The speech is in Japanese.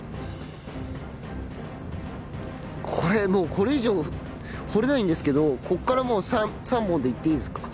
これもうこれ以上掘れないんですけどここからももう３本でいっていいですか？